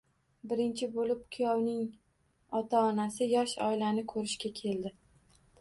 Birinchi bo`lib kuyovning ota-onasi yosh oilani ko`rishga keldi